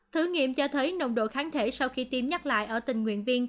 thử nghiệm cho thấy nồng độ kháng thể sau khi tiêm nhắc lại ở tình nguyện viên